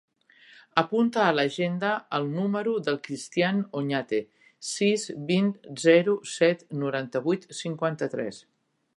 Apunta a l'agenda el número del Cristián Oñate: sis, vint, zero, set, noranta-vuit, cinquanta-tres.